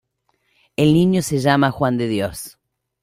El niño se llama Juan de Dios.